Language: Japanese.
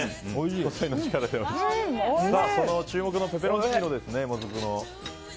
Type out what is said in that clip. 注目のもずくのペペロンチーノですね。